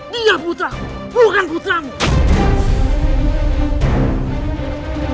dia putra mu bukan putra mu